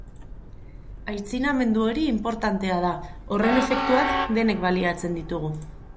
Aitzinamendu hori inportantea da, horren efektuak denek baliatzen ditugu.